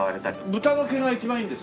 ブタの毛が一番いいんですか？